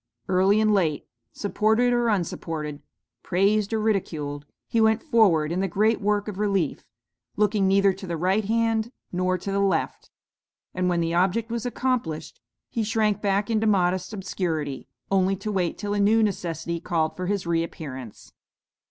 Early and late, supported or unsupported, praised or ridiculed, he went forward in the great work of relief, looking neither to the right hand, nor to the left; and when the object was accomplished, he shrank back into modest obscurity, only to wait till a new necessity called for his reappearance.